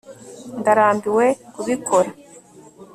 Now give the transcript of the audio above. ndarambiwe kubikora